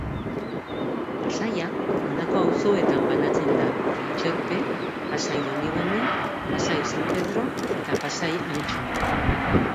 Pasaia honako auzoetan banatzen da: Trintxerpe, Pasai Donibane, Pasai San Pedro eta Pasai Antxo.